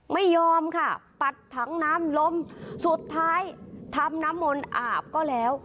ไม่ยอมค่ะปัดถังน้ำล้มสุดท้ายทำน้ำมนต์อาบก็แล้ว